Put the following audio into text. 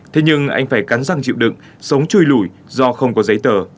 thế nhưng anh phải cắn răng chịu đựng sống chui lủi do không có giấy tờ